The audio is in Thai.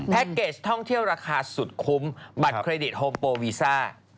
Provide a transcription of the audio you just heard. เกจท่องเที่ยวราคาสุดคุ้มบัตรเครดิตโฮมโปวีซ่า